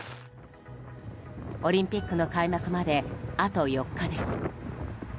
オリンピックの開幕まであと４日です。